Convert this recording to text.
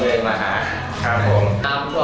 ต้องเอาอะไรมาฮะ